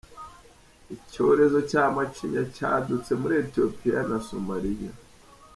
Icyorezo cya macinya cyadutse muri Ethiopia na Somalia .